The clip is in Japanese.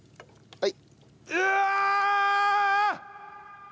はい。